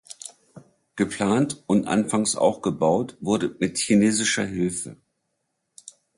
Geplant und anfangs auch gebaut wurde mit chinesischer Hilfe.